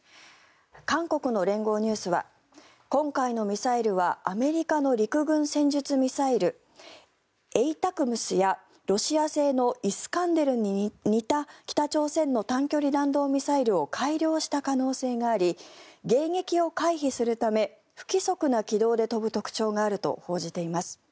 韓国の連合ニュースは今回のミサイルはアメリカの陸軍戦術ミサイルＡＴＡＣＭＳやロシア製のイスカンデルに似た北朝鮮の短距離弾道ミサイルを改良した可能性があり迎撃を回避するため不規則な軌道で飛ぶ特徴があると報じています。